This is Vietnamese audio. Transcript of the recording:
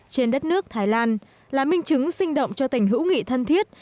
trên đất nước thái lan là minh chứng sinh động cho tình hữu nghị thân thiết